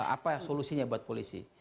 apa solusinya buat polisi